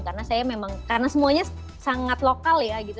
karena saya memang karena semuanya sangat lokal ya gitu